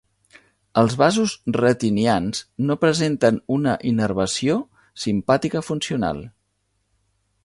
Els vasos retinians no presenten una innervació simpàtica funcional.